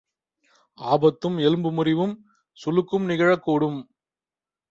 ஆபத்தும், எலும்பு முறிவும், சுளுக்கும் நிகழவும்கூடும்.